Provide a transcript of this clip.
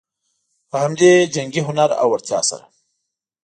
په همدې جنګي هنر او وړتیا سره.